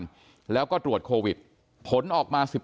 แล้วก็ตรวจโครวิทผลออกมา๑๘เมซายน